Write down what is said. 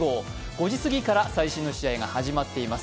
５時すぎから最新の試合が始まっています。